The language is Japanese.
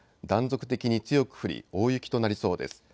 断続的に強く降り大雪となりそうです。